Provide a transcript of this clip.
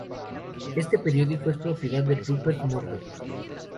Este periódico es propiedad de Rupert Murdoch.